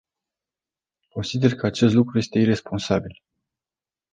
Consider că acest lucru este iresponsabil.